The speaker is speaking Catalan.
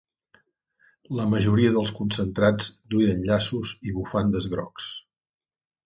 La majoria dels concentrats duien llaços i bufandes grocs.